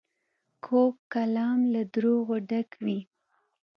کوږ کلام له دروغو ډک وي